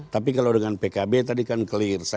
tapi kalau dengan pkb tadi kan clear